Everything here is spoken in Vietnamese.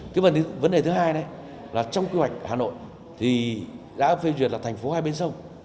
cái vấn đề thứ hai đấy là trong quy hoạch hà nội thì đã phê duyệt là thành phố hai bên sông